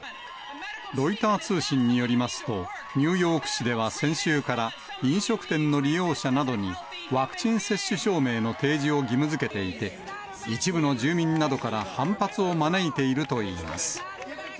ロイター通信によりますと、ニューヨーク市では先週から、飲食店の利用者などにワクチン接種証明の提示を義務づけていて、一部の住民などから反発を招いているといいます。